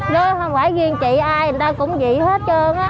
đó không phải riêng chị ai người ta cũng vậy hết trơn á